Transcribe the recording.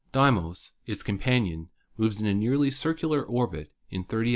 Deimos, its companion, moves in a nearly circular orbit in 30 h.